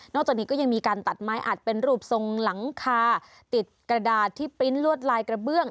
จากนี้ก็ยังมีการตัดไม้อัดเป็นรูปทรงหลังคาติดกระดาษที่ปริ้นต์ลวดลายกระเบื้อง